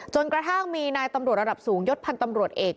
จนกระทั่งมีนายตำรวจระดับสูงยศพันธ์ตำรวจเอก